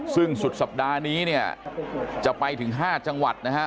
ซึ่งสุดสัปดาห์นี้เนี่ยจะไปถึง๕จังหวัดนะฮะ